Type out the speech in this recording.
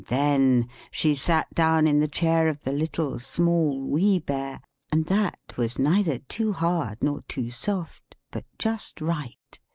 Then she sat down in the chair of the Little, Small, Wee Bear, and that was neither too hard nor too soft, but just right.